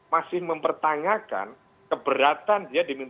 masih mempertanyakan keberatan dia diminta